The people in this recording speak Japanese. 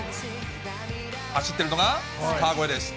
走ってるのが、川越です。